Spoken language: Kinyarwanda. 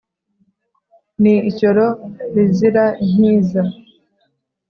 ni ishyoro rizira impiza